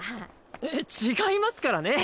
えっ違いますからね。